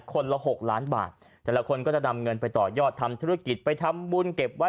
คนละ๖ล้านบาทแต่ละคนก็จะนำเงินไปต่อยอดทำธุรกิจไปทำบุญเก็บไว้